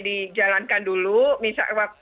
dijalankan dulu misalnya